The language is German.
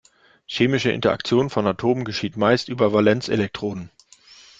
Chemische Interaktion von Atomen geschieht meist über die Valenzelektronen.